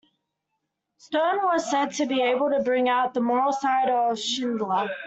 Stern was said to be able to bring out the moral side of Schindler.